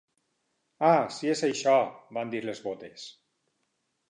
"Ah, si és això..." van dir les botes.